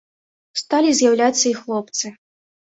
Сталі з'яўляцца і хлопцы.